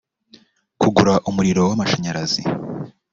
kugura umuriro w’amashanyarazi